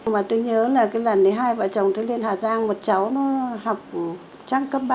mà tôi nhớ là cái lần đấy hai vợ chồng tôi lên hà giang một cháu nó học trác cấp ba